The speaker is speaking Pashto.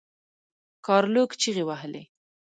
ګارلوک چیغې وهلې.